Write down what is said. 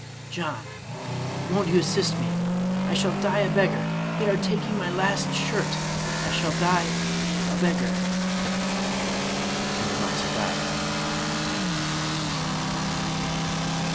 John, won't you assist me, — I shall die a beg gar; they are taking my last shirt, — I shall die a beggar/' < ^And the miser died.